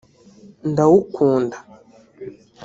ndawukunda